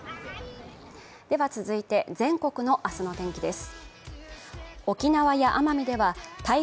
では続いて全国の明日の天気です。